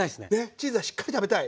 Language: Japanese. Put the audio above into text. チーズはしっかり食べたい。